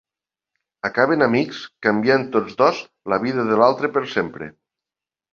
Acaben amics, canviant tots dos la vida de l'altre per sempre.